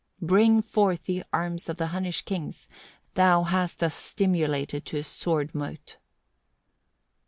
6. "Bring forth the arms of the Hunnish kings: thou hast us stimulated to a sword mote."